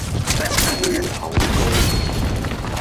芋頭糕